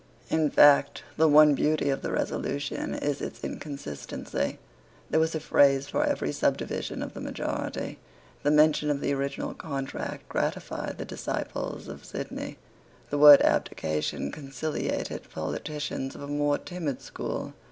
In fact the one beauty of the resolution is its inconsistency. There was a phrase for every subdivision of the majority. The mention of the original contract gratified the disciples of Sidney. The word abdication conciliated politicians of a more timid school.